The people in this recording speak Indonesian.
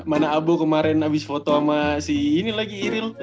mana abu kemarin habis foto sama si ini lagi iril